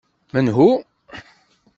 Menhu?